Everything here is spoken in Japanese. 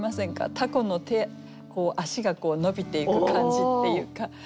タコの手足が伸びていく感じっていうか。